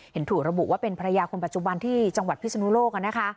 ถูกระบุว่าเป็นภรรยาคนปัจจุบันที่จังหวัดพิศนุโลก